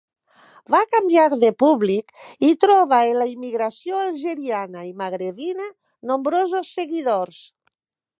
Va canviar de públic i troba en la immigració algeriana i magrebina nombrosos seguidors.